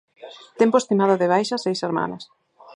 Tempo estimado de baixa seis semanas.